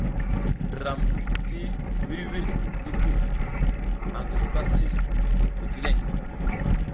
Ndram ti wirwir ngi vu angi sipa sin mi jileŋ.